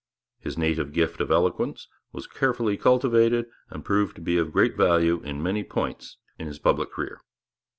His native gift of eloquence was carefully cultivated and proved to be of great value in many points in his public career.